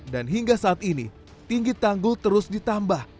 dan hingga saat ini tinggi tanggul terus ditambah